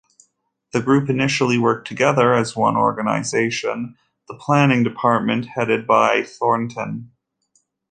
The group initially worked together as one organization, the planning department, headed by Thornton.